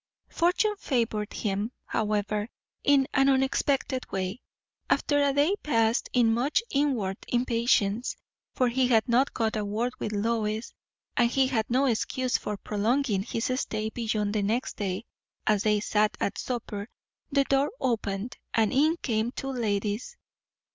Fortune favoured him, however, in an unexpected way. After a day passed in much inward impatience, for he had not got a word with Lois, and he had no excuse for prolonging his stay beyond the next day, as they sat at supper, the door opened, and in came two ladies.